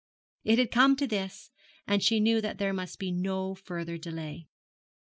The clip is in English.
It had come to this, and she knew that there must be no further delay.